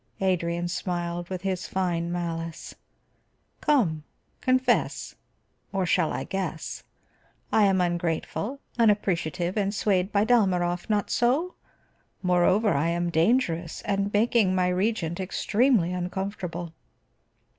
Adrian smiled with his fine malice. "Come, confess. Or shall I guess? I am ungrateful, unappreciative, and swayed by Dalmorov; not so? Moreover I am dangerous, and making my Regent extremely uncomfortable."